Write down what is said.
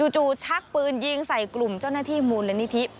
จู่ชักปืนยิงใส่กลุ่มเจ้าหน้าที่มูลนิธิ